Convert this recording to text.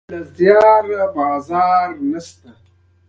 ازادي راډیو د عدالت په اړه د اصلاحاتو غوښتنې راپور کړې.